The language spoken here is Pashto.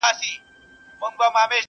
زاهده مه راوړه محفل ته توبه ګاري کیسې.!